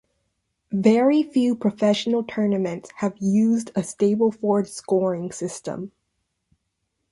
Very few professional tournaments have used a Stableford scoring system.